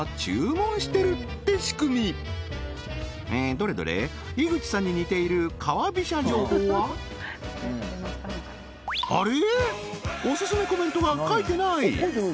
どれどれ井口さんに似ているカワビシャ情報はあれ！？